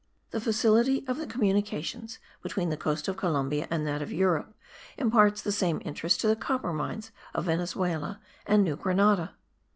The facility of the communications between the coast of Columbia and that of Europe imparts the same interest to the copper mines of Venezuela and New Grenada.